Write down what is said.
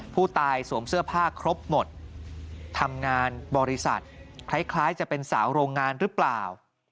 สวมเสื้อผ้าครบหมดทำงานบริษัทคล้ายจะเป็นสาวโรงงานหรือเปล่า